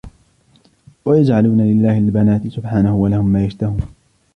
ويجعلون لله البنات سبحانه ولهم ما يشتهون